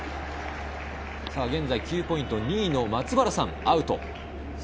現在９ポイント２位の松原さんはアウト。